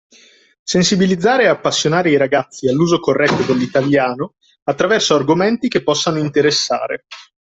Sensibilizzare e appassionare i ragazzi all’uso corretto dell’italiano, attraverso argomenti che possano interessare.